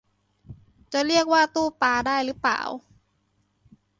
จะเรียกว่าตู้ปลาได้รึเปล่า